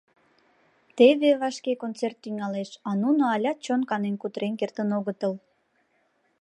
Теве вашке концерт тӱҥалеш, а нуно алят чон канен кутырен кертын огытыл.